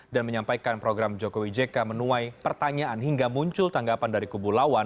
dan menyampaikan program jokowi jk menuai pertanyaan hingga muncul tanggapan dari kubu lawan